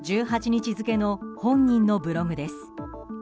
１８日付の本人のブログです。